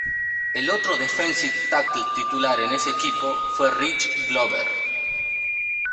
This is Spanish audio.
El otro defensive tackle titular en ese equipo fue Rich Glover.